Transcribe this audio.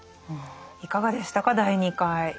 いかがでしたか第２回。